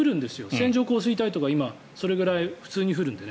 線状降水帯とかそれぐらい普通に降るので。